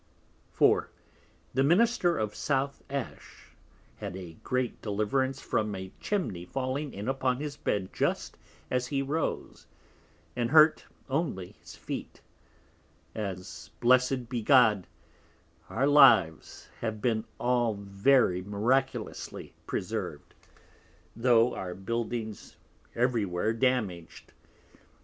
4. The Minister of South Ash had a great Deliverance from a Chimney falling in upon his Bed just as he rose, and hurt only his Feet; as blessed be God, our Lives have been all very miraculously preserv'd, tho' our Buildings every where damag'd.